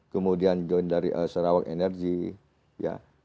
kemudian join dari sarawak energy ya